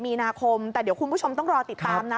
มีนาคมแต่เดี๋ยวคุณผู้ชมต้องรอติดตามนะ